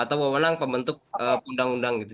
atau pemenang pembentuk undang undang gitu